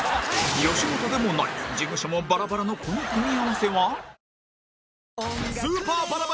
吉本でもない事務所もバラバラのこの組み合わせは？